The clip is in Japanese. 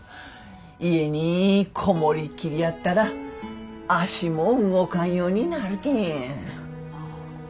家に籠もりきりやったら足も動かんようになるけん。